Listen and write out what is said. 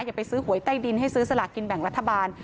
อย่าไปซื้อหวยใต้ดินให้ซื้อสลากกินแบ่งรัฐบาล